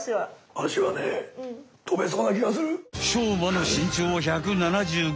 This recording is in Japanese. あしはねしょうまの身長は１７５ｃｍ。